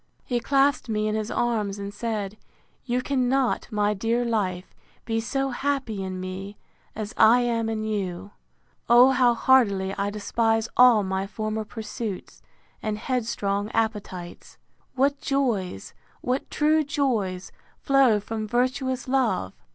He clasped me in his arms, and said, You cannot, my dear life, be so happy in me, as I am in you. O how heartily I despise all my former pursuits, and headstrong appetites! What joys, what true joys, flow from virtuous love!